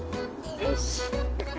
よし！